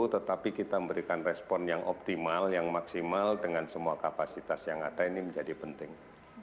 tetapi kita memberikan respon yang optimal yang maksimal dengan semua kapasitas yang ada ini menjadi penting